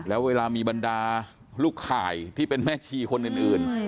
แล้วเวลามีบรรดาลูกข่ายที่เป็นแม่ชีคนอื่น